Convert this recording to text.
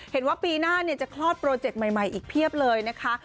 เห็นว่าปีหน้าจะคลอดโปรเจกต์ใหม่อีกเพียบเลยนะคะ